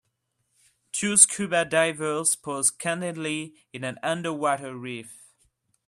Two Scuba Divers pose candidly in an underwater Reef.